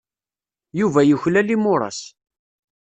Yuba yuklal imuras.